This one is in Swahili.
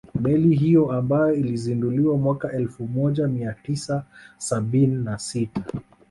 Meli hiyo ambayo ilizinduliwa mwaka elfu moja mia tisa sabini na sita